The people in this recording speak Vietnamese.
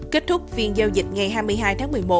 kết thúc phiên giao dịch ngày hai mươi hai tháng một mươi một